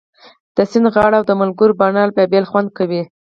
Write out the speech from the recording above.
د سیند غاړه او د ملګرو بنډار بیا بل خوند کوي